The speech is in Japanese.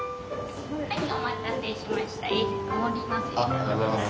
ありがとうございます。